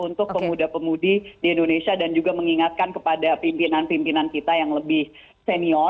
untuk pemuda pemudi di indonesia dan juga mengingatkan kepada pimpinan pimpinan kita yang lebih senior